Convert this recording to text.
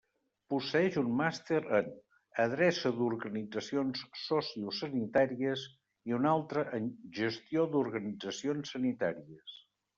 Posseeix un màster en Adreça d'Organitzacions Sociosanitàries i un altre en Gestió d'Organitzacions Sanitàries.